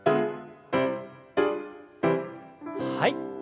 はい。